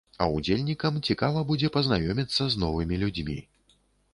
А ўдзельнікам цікава будзе пазнаёміцца з новымі людзьмі.